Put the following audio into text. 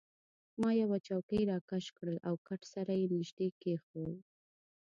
ما یوه چوکۍ راکش کړل او کټ سره يې نژدې کښېښوول.